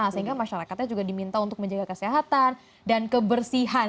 sehingga masyarakatnya juga diminta untuk menjaga kesehatan dan kebersihan